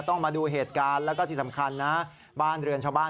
ต้องมาดูเหตุการณ์แล้วก็ที่สำคัญนะบ้านเรือนชาวบ้าน